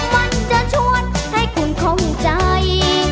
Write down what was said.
มันจะชวนให้คุณคมใจ